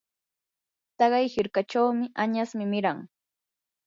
taqay hirkachaw añasmi miran.